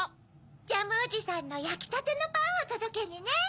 ジャムおじさんのやきたてのパンをとどけにね。